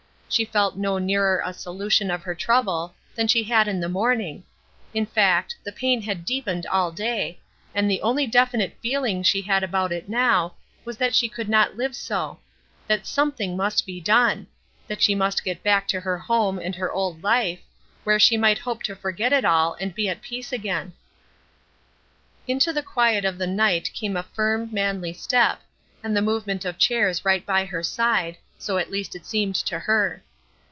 She felt no nearer a solution of her trouble than she had in the morning; in fact, the pain had deepened all day, and the only definite feeling she had about it now was that she could not live so; that something must be done; that she must get back to her home and her old life, where she might hope to forged it all and be at peace again. Into the quiet of the night came a firm, manly step, and the movement of chairs right by her side, so at least it seemed to her.